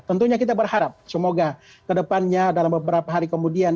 tentunya kita berharap semoga kedepannya dalam beberapa hari kemudian